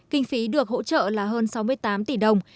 kinh phí được hỗ trợ là hơn sáu mươi tám tỷ đồng